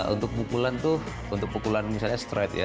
untuk pukulan tuh untuk pukulan misalnya stride ya